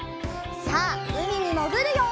さあうみにもぐるよ！